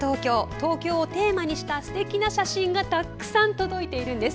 東京をテーマにしたすてきな写真がたくさん届いているんです。